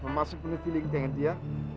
kamu masih penuh cinta dengan dia